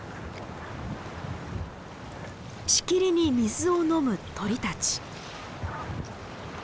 しきりに水を飲む鳥たち。